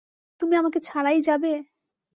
তুমি আমাকে ছাড়াই যাবে?